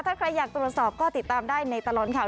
ถ้าใครอยากตรวจสอบก็ติดตามได้ในตลอดข่าว